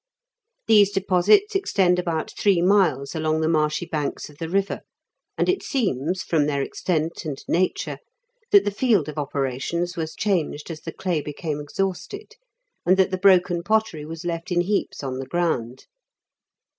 These deposits extend about three miles along the marshy banks of the river, and it seems, from their extent and nature, that the field of operations was changed as the clay became exhausted, and that the broken pottery was left in heaps on the ground.